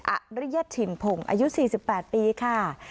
อริยชินพงศ์อายุ๔๘ปีค่ะ